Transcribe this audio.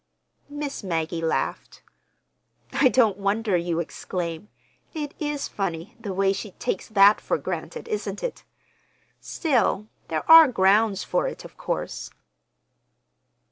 Miss Maggie laughed. "I don't wonder you exclaim. It is funny—the way she takes that for granted, isn't it? Still, there are grounds for it, of course."